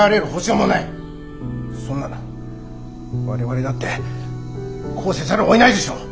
そんなの我々だってこうせざるをえないでしょ。